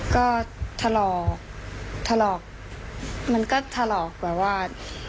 ก็ทะลอกทะลอกมันก็ทะลอกแบบว่า